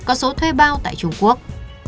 có số thuê bao tại trung quốc